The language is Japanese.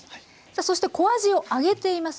そして小あじを揚げています。